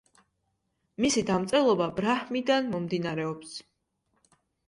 მისი დამწერლობა ბრაჰმიდან მომდინარეობს.